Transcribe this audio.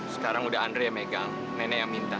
sekarang udah andre yang megang nenek yang minta